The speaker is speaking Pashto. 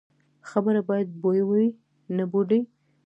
خبره باید بویه وي، نه بوډۍ.